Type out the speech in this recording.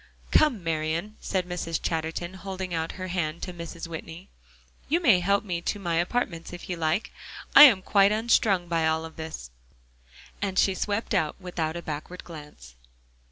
"Come, Marian," said Mrs. Chatterton, holding out her hand to Mrs. Whitney. "You may help me to my apartments if you like. I am quite unstrung by all this," and she swept out without a backward glance.